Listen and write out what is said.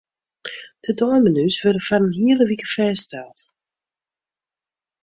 De deimenu's wurde foar in hiele wike fêststeld.